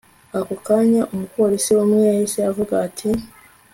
Ako kanya umupolisi umwe yahise avuga ati